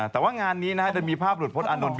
แต่ว่างานนี้นะครับจะมีภาพปรุดพระอานทน